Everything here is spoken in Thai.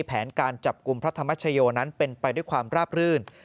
แผนการจับกลุ่มพระธรรมชโยนั้นเป็นไปด้วยความราบรื่น